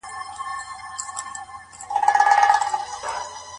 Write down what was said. موږ باید خپلي پروژي بېرته فعالې کړو.